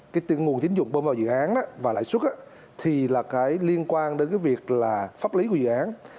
cái nguồn tín dụng bơm vào dự án và lãi suất thì là cái liên quan đến cái việc là pháp lý của dự án